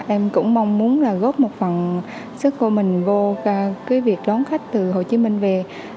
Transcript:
em cũng mong muốn là góp một phần sức của mình vô cái việc đón khách từ hồ chí minh về